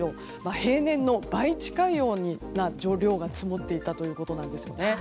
平年の倍近い量が積もっていたということです。